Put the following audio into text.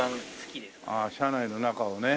ああ車内の中をね。